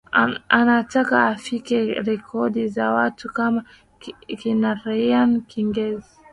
anataka afikie rekodi za watu kama akina ryan giggs